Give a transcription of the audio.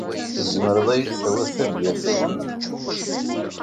Tzemreḍ ad yi-d-tawiḍ tabyirt-iḍen?